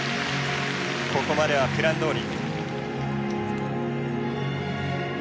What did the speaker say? ここまではプランどおり。